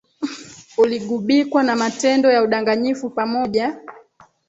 uligubikwa na matendo ya udanganyifu pamoja